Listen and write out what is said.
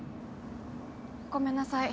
ごめんなさい。